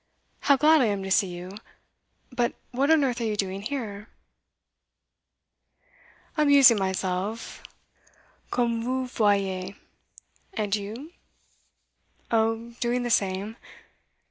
How glad I am to see you! But what on earth are you doing here?' 'Amusing myself comme vous voyez; and you?' 'Oh, doing the same.